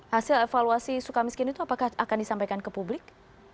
hasil evaluasi suka miskin itu apakah akan disampaikan ke publik